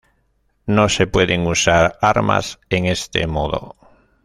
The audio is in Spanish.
No se pueden usar armas en este modo.